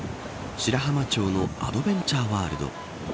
白浜町のアドベンチャーワールド。